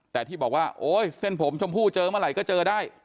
แต่ที่บอกว่าโอ๊ยเส้นผมชมพู่เจอเมื่อไหร่ก็เจอได้